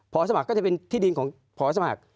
พอสมัครก็จะเป็นที่ดินของพอสมัคร